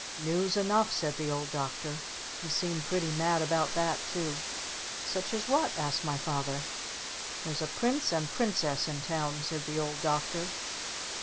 "News enough!" said the Old Doctor. He seemed pretty mad about that too! "Such as what?" asked my Father. "There's a Prince and Princess in town!" said the Old Doctor.